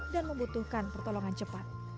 dan membutuhkan pertolongan cepat